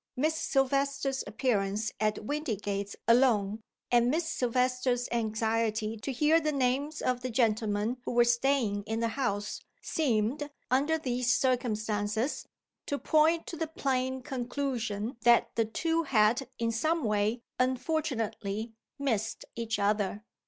Miss Silvester's appearance at Windygates alone, and Miss Silvester's anxiety to hear the names of the gentlemen who were staying in the house, seemed, under these circumstances, to point to the plain conclusion that the two had, in some way, unfortunately missed each other.